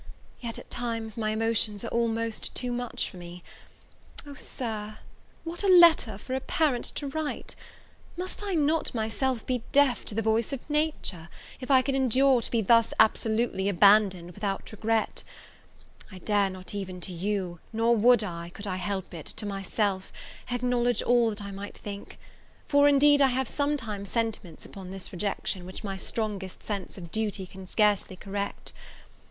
Yet, at times, my emotions are almost too much for me. O, Sir, what a letter for a parent to write! Must I not myself be deaf to the voice of nature, if I could endure to be thus absolutely abandoned without regret? I dare not even to you, nor would I, could I help it, to myself, acknowledge all that I might think; for, indeed, I have sometimes sentiments upon this rejection, which my strongest sense of duty can scarcely correct.